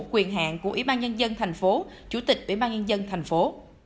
quyền hạn của ủy ban nhân dân thành phố chủ tịch ủy ban nhân dân thành phố